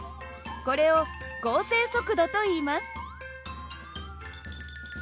これを合成速度といいます。